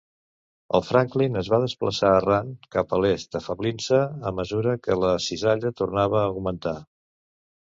El Franklin es va desplaçar errant cap a l'est afeblint-se a mesura que la cisalla tornava a augmentar.